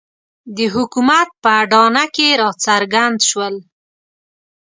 د حکومت په اډانه کې راڅرګند شول.